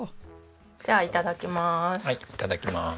じゃあいただきます。